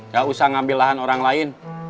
gak usah ngambil lahan orang lain